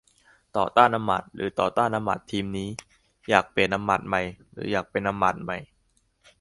ต่อต้านอำมาตย์ หรือ ต่อต้านอำมาตย์ทีมนี้ อยากเปลี่ยนอำมาตย์ใหม่ หรืออยากเป็นอำมาตย์ใหม่